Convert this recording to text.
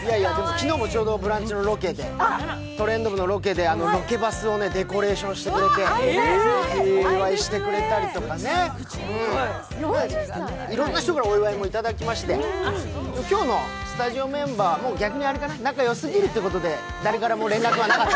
昨日もちょうど「ブランチ」の「トレンド部」のロケで、ロケバスをデコレーションしてくれて、お祝いしてくれたりとかねいろんな人からお祝いもいただきまして今日のスタジオメンバーも、逆に仲良すぎるということで、誰からも連絡はなかった。